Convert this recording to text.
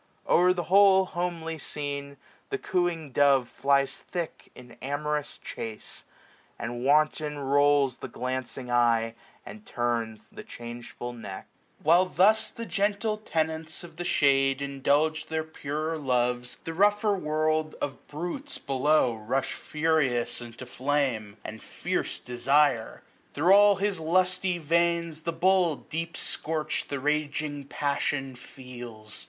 O'er the whole homely scene, the cooing dove Flies thick in amorous chacc; and wanton rolls The glancing eye, and turns the changeful neck. 785 While thus the gentle tenants of the shade Indulge their purer loves, the rougher world SPRING. 31 Of brutes, below, rush furious into flame. And fierce desire. Thro' all his lusty veins The bull, deep scorch'd, the raging passion feels.